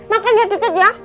makan ya dikit ya